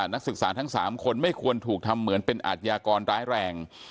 นักศึกษาทั้ง๓คนไม่ควรถูกทำเหมือนเป็นอาทยากรร้ายแรง